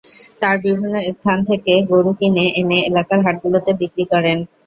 তাঁরা বিভিন্ন স্থান থেকে গরু কিনে এনে এলাকার হাটগুলোতে বিক্রি করেন।